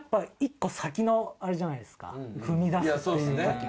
のあれじゃないですか踏み出すっていうとき。